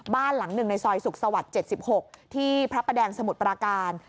บ้านหลังหนึ่งในซอยสุขสวรรค์๗๖ที่พระประแดงสมุทรปราการ